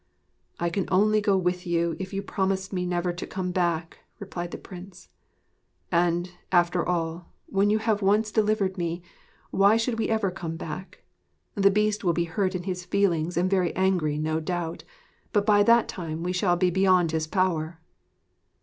'I can only go with you, if you promise me never to come back,' replied the Prince. 'And, after all, when you have once delivered me, why should we ever come back? The Beast will be hurt in his feelings and very angry no doubt; but by that time we shall be beyond his power.'